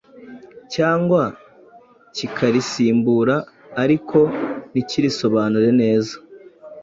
cyangwa kikarisimbura ariko ntikirisobanure neza;